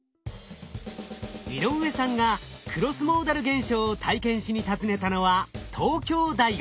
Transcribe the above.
井上さんがクロスモーダル現象を体験しに訪ねたのは東京大学。